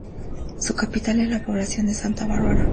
Su capital es la población de Santa Bárbara.